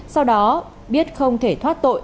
sau đó biết không thể thoát tội